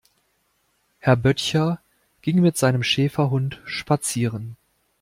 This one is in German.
Herr Böttcher ging mit seinem Schäferhund spazieren.